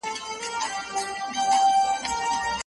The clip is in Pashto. پوهانو وویل چي د شاګرد او استاد مزاج باید همغږی وي.